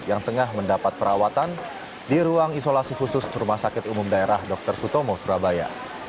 yang tengah mendapat perawatan di ruang isolasi khusus rumah sakit umum daerah dr sutomo surabaya